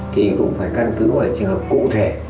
thì cũng phải căn cứ ở trường hợp cụ thể